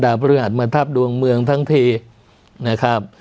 ดาวพฤหัสมาทับดวงเมืองทั้งที